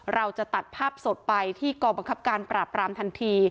เราจะตัดภาพสดไปที่กรบังคับการปราบรามทันที